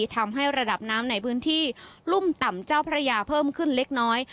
ทำให้ระดับน้ำในพื้นที่รุ่มต่ำเจ้าพระยาเพิ่มขึ้นเล็กน้อย